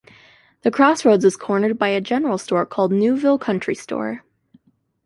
The crossroads is cornered by a general store called Newville Country Store.